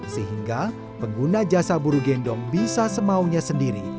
sehingga pengguna jasa buru gendong bisa semaunya sendiri